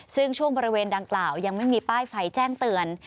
ซึ่งช่วงบริเวณดังกล่าวยังไม่มีป้ายไฟแจ้งเตือน